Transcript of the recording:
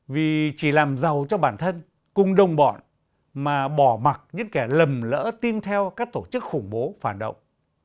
vì chỉ làm giàu cho bản thân cùng đồng bọn mà bỏ mặt những kẻ lầm lỡ tin theo các tổ chức khủng bố phản động